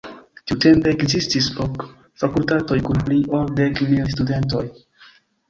Tiutempe ekzistis ok fakultatoj kun pli ol dek mil studentoj.